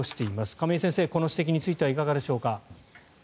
亀井先生、この指摘についてはいかがでしょうか。